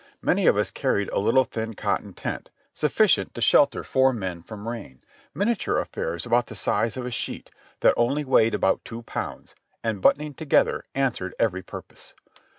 Many of us carried a little thin cotton tent, sufficient to shelter four men from rain, miniature affairs about the size of a sheet, that 240 JOHNNY REB AND BILLY YANK only weighed about two pounds, and buttoning together answered every purpose.